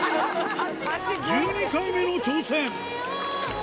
１２回目の挑戦。